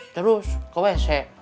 terus ke wc